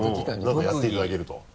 何かやっていただけると。